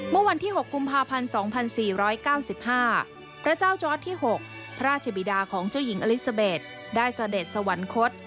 เมื่อวันที่๖กุมภาพันธ์๒๔๙๕พระเจ้าจอร์ดที่๖พระราชบิดาของเจ้าหญิงอลิซาเบสได้เสด็จสวรรคต